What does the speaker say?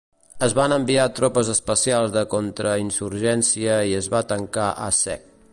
Es van enviar tropes especials de contrainsurgència i es va tancar Aceh.